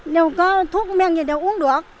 đâu có thuốc men gì đều uống được